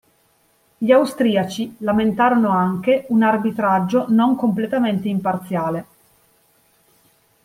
Gli austriaci lamentarono anche un arbitraggio non completamente imparziale.